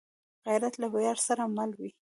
غیرت له ویاړ سره مل وي